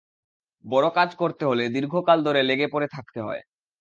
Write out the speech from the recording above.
বড় কাজ করতে হলে দীর্ঘকাল ধরে লেগে পড়ে থাকতে হয়।